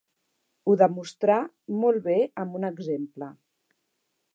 Ho demostrà molt bé amb un exemple.